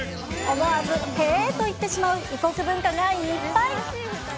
思わず、へぇと言ってしまう異国文化がいっぱい。